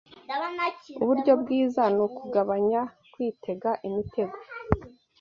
uburyo bwiza ni ukugabanya kwitega imitego